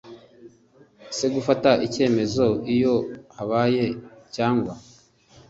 cgufata icyemezo iyo habaye cyangwa